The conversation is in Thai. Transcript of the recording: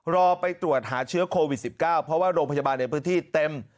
รอไปตรวจหาเชื้อโควิด๑๙เพราะว่าโรงพยาบาลในพื้นที่เต็ม